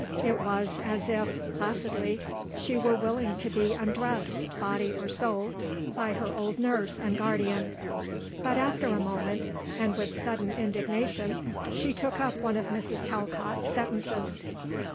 It was as if, placidly, she were willing to be undressed, body or soul, by her old nurse and guardian. But after a moment, and with sudden indignation, she took up one of Mrs. Talcott's sentences.